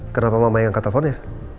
kenapa mama yang ke teleponnya